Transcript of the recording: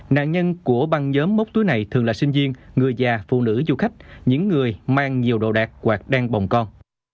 nạn nhân của băng nhóm móc túi này thường là sinh viên người già phụ nữ du khách những người mang nhiều đồ đạc hoặc đang bồng con